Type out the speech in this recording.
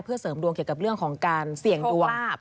เพื่อเสริมดวงเกี่ยวกับเรื่องของการเสี่ยงดวงโชคลาภ